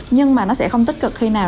nhưng mà nó sẽ không tích cực khi nào